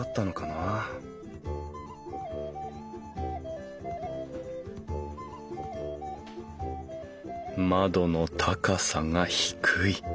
あ窓の高さが低い。